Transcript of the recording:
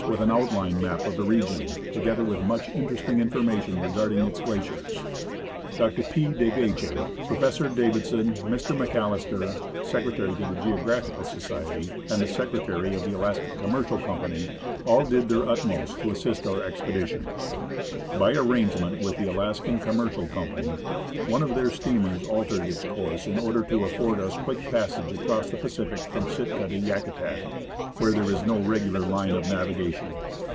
with an outline map of the region, together with much interesting information regarding its glaciers. Dr. P. De Vecchi, Professor Davidson, Mr. MacAlHster, secre tary to the Geographical Society, and the secretary of the Alaskan Commercial Company, all did their utmost to assist our expedition. ID FROM TURIN TO SEATTLE By arrangement with the Alaskan Commercial Company, one of their steamers altered its course in order to afford us a quick passage across the Pacific from Sitka to Yakutat, where there is no regular line of navigation.